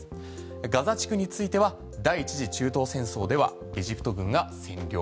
ガザ地区については第１次中東戦争ではエジプト軍が占領。